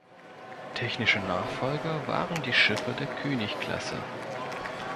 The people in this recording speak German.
Technische Nachfolger waren die Schiffe der König-Klasse.